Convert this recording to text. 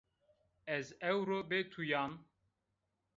Ez ewro bêtuyan.